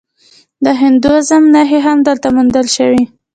د هندویزم نښې هم دلته موندل شوي